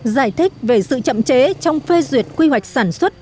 giải thích về sự chậm chế trong phê duyệt quy hoạch sản xuất